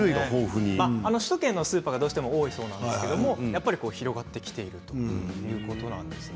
首都圏のスーパーがどうしても多いそうなんですがやっぱり広がってきているということなんですね。